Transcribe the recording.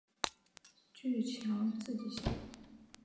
具强刺激性。